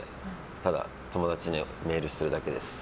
ただ、友達にメールするだけです。